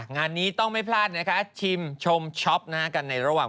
งานนี้ต้องไม่พลาดนะคะชิมชมช็อปนะฮะกันในระหว่าง